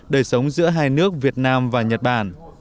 đời sống giữa hai nước việt nam và nhật bản